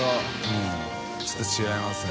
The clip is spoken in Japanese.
Δちょっと違いますね。